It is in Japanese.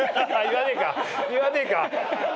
言わねえか。